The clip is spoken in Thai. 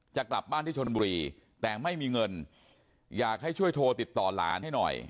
จะกลับบ้านที่ชนบุรีแต่ไม่มีเงินอยากให้ช่วยโทรติดต่อหลานให้หน่อย